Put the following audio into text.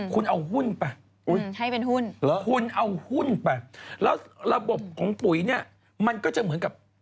คุณเอาหุ้นไปแล้วระบบของปุ๋ยมันก็จะเหมือนกับ